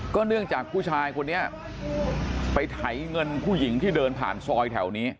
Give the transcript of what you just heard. เนื่องจากผู้ชายคนนี้ไปไถเงินผู้หญิงที่เดินผ่านซอยแถวนี้